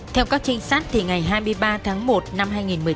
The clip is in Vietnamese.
theo các trinh sát thì ngày hai mươi ba tháng một năm hai nghìn một mươi chín